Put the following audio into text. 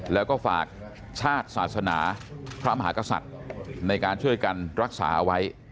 แล้วก็ฝากชาติศาสนาพระมหากษัตริย์ในการช่วยกันรักษาเอาไว้